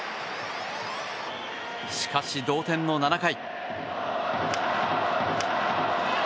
しかし、同点の７回。